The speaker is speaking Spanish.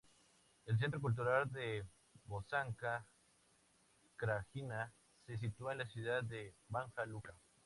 El centro cultural de Bosanska Krajina se sitúa en la ciudad de Banja Luka.